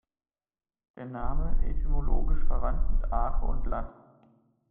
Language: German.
Der Name, etymologisch verwandt mit Ache und lat.